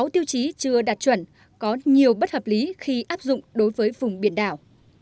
sáu tiêu chí chưa đạt chuẩn có nhiều bất hợp lý khi áp dụng đối với vùng biển đảo